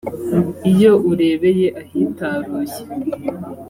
Iyo urebeye ahitaruye